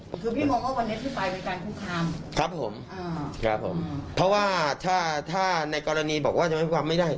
คือพี่มองว่าวันนี้พี่ไปเป็นการคุกคามครับผมครับผมเพราะว่าถ้าในกรณีบอกว่าไม่ได้